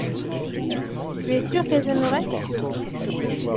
Tu es sûr qu’elles aimeraient.